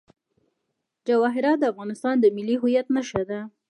جواهرات د افغانستان د ملي هویت نښه ده.